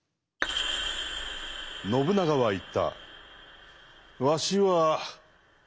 信長は言った。